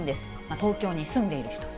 東京に住んでいる人。